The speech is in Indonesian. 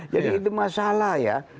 jadi itu masalah ya